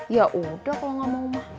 yaudah kalau gak mau mah